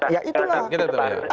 ya itu lah